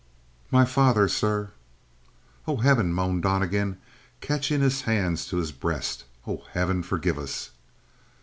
"My father, sir!" "Oh, heaven," moaned Donnegan, catching his hands to his breast. "Oh, heaven, forgive us!"